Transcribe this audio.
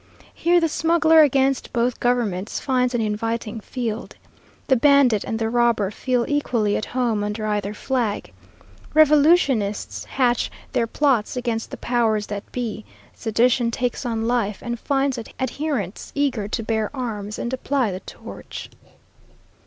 Here the smuggler against both governments finds an inviting field. The bandit and the robber feel equally at home under either flag. Revolutionists hatch their plots against the powers that be; sedition takes on life and finds adherents eager to bear arms and apply the torch.